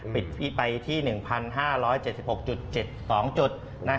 ไปที่๑๕๗๖๗๒จุด